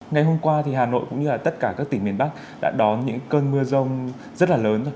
ngày hôm qua thì hà nội cũng như là tất cả các tỉnh miền bắc đã đón những cơn mưa rông rất là lớn rồi